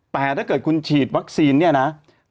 แต่ถ้าเกิดคุณฉีดวัคซีนเนี่ยนะ